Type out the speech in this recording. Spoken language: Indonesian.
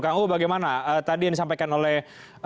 kang uu bagaimana tadi yang disampaikan oleh